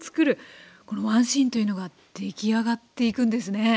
この１シーンというのが出来上がっていくんですね。